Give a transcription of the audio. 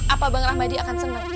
apa bang rahmadi akan senang